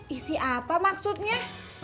isi apa maksudnya